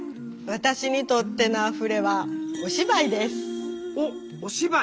私にとっての「あふれ」はおっお芝居？